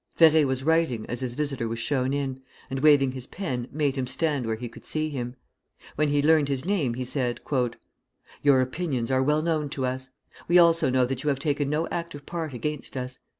Ferré was writing as his visitor was shown in, and, waving his pen, made him stand where he could see him. When he learned his name, he said "Your opinions are well known to us. We also know that you have taken no active part against us.